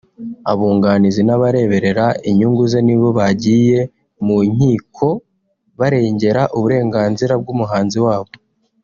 abunganizi n’abareberera inyungu ze ni bo bagiye mu nkiko barengera uburenganzira bw’umuhanzi wabo